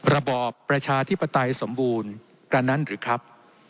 ระบอบประชาธิปไตยสมบูรณ์กว่านั้นหรือครับ